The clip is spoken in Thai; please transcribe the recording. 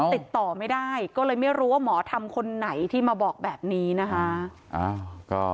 ติดต่อไม่ได้ก็เลยไม่รู้ว่าหมอธรรมคนไหนที่มาบอกแบบนี้นะคะ